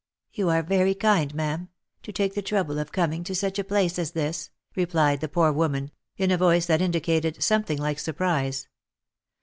" You are very kind, ma'am, to take the trouble of coming to such a place as this," replied the poor woman, in a voice that indicated something like surprise.